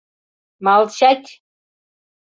Малчать!